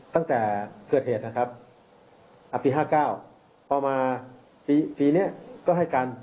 ตั้งแต่เกิดเหตุนะครับปี๕๙พอมาปีนี้ก็ให้กัน